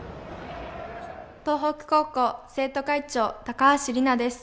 東北高校生徒会長・高橋里奈です。